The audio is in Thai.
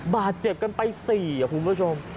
บาดเจ็บกันไปสี่อ่ะคุณผู้ชม